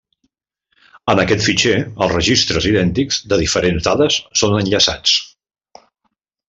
En aquest fitxer, els registres idèntics de diferents dades són enllaçats.